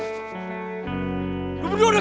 lu bener bener gila ya